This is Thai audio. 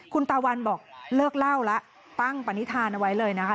คุณตาวันบอกเลิกเล่าแล้วตั้งปณิธานเอาไว้เลยนะคะ